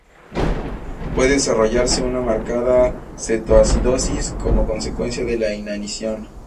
Puede desarrollarse una marcada cetoacidosis, como consecuencia de la inanición.